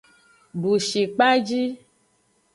Dushikpaji.